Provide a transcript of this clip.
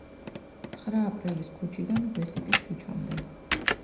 ცხრა აპრილის ქუჩიდან ბესიკის ქუჩამდე.